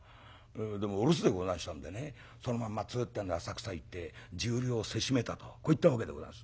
でもお留守でござんしたんでねそのまままっつぐってんで浅草行って１０両せしめたとこういったわけでござんす」。